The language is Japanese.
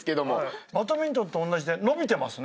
バドミントンと同じで伸びてますね。